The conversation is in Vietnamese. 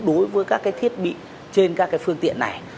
đối với các thiết bị trên các phương tiện này